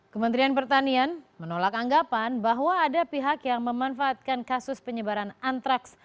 kementerian pertanian menolak anggapan bahwa ada pihak yang memanfaatkan kasus penyebaran antraks